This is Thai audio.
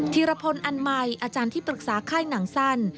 ธีรพลอันใหม่อาจารย์ที่ปรึกษาค่ายหนังสั้น